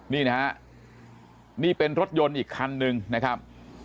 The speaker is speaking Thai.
นี่นะฮะนี่เป็นรถยนต์อีกคันนึงนะครับ